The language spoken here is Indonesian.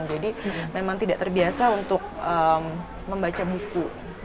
jadi memang tidak terbiasa untuk membaca buku